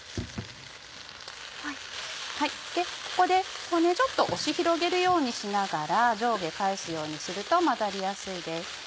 ここでちょっと押し広げるようにしながら上下返すようにすると混ざりやすいです。